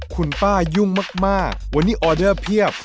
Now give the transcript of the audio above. คุณป้ายุ่งมากวันนี้ออเดอร์เพียบ